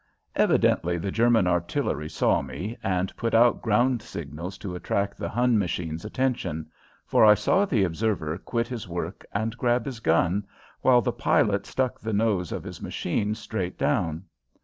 Evidently the German artillery saw me and put out ground signals to attract the Hun machine's attention, for I saw the observer quit his work and grab his gun, while the pilot stuck the nose of his machine straight down.